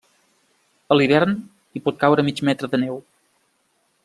A l'hivern, hi pot caure mig metre de neu.